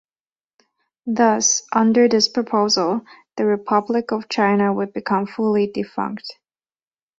Thus, under this proposal, the Republic of China would become fully defunct.